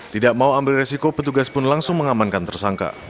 tidak mau ambil resiko petugas pun langsung mengamankan tersangka